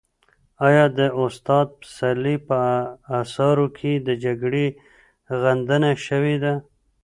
آیا د استاد پسرلي په اثارو کې د جګړې غندنه شوې ده؟